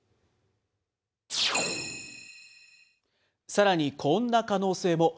さらにこんな可能性も。